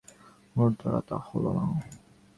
ওর দ্বারা তা হল না।